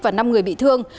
và năm người bị thương